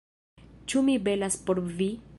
- Ĉu mi belas por vi?